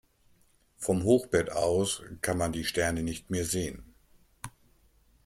Vom Hochbett aus kann man die Sterne nicht mehr sehen.